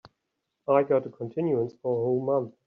I got a continuance for a whole month.